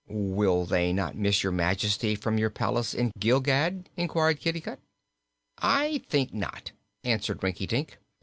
'" "Will they not miss Your Majesty from your palace at Gilgad?" inquired Kitticut. "I think not," answered Rinkitink.